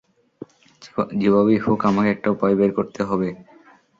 যেভাবেই হোক আমাকে একটা উপায় বের করতে হবে।